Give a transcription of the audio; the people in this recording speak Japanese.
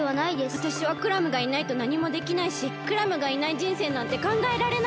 わたしはクラムがいないとなにもできないしクラムがいないじんせいなんてかんがえられない。